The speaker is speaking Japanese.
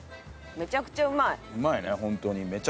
めちゃくちゃうまい。